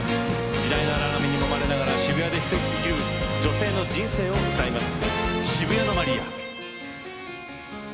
時代の荒波にもまれながら渋谷で１人生きる女性の人生を歌います。